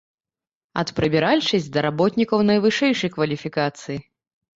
Ад прыбіральшчыц да работнікаў найвышэйшай кваліфікацыі.